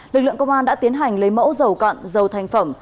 lực lượng công an đã tiến hành lấy mẫu dầu cặn dầu thành phẩm